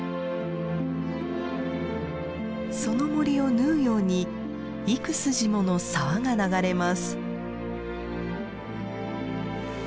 その森を縫うように幾筋もの沢が流れます。